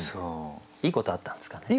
いいことあったんですかね。